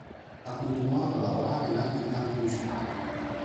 Ha continuato a lavorare in altri campi musicali.